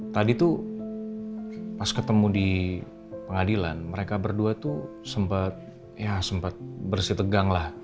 tadi tuh pas ketemu di pengadilan mereka berdua tuh sempat ya sempat bersih tegang lah